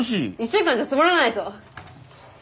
１週間じゃ積もらないぞ。